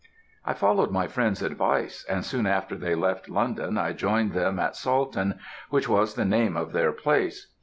"I followed my friend's advice, and soon after they left London, I joined them at Salton, which was the name of their place.